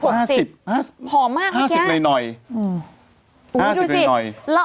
ห้าสิบกว่าห้าสิบหอมมากเหมือนกันห้าสิบเลยหน่อยห้าสิบ